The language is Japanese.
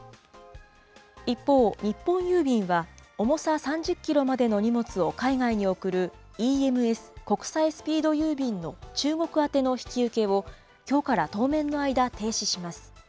一方、日本郵便は重さ３０キロまでの荷物を海外に送るＥＭＳ・国際スピード郵便の中国宛ての引き受けを、きょうから当面の間、停止します。